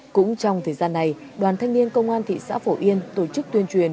cũng trong thời gian này đoàn thanh niên công an thị xã phổ yên tổ chức tuyên truyền